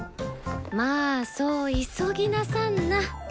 まあそう急ぎなさんな。